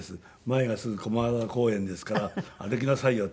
前がすぐ駒沢公園ですから「歩きなさいよ」。